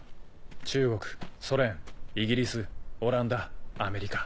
中国ソ連イギリスオランダアメリカ。